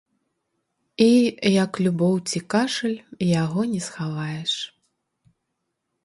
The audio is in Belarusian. І, як любоў ці кашаль, яго не схаваеш.